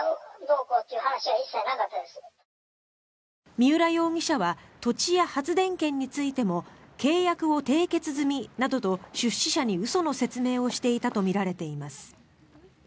三浦容疑者は土地や発電権についても契約を締結済みなどと出資者に嘘の説明をしていたとみられています。